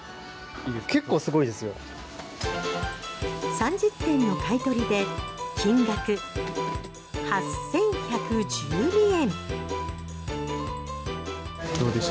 ３０点の買い取りで金額８１１２円。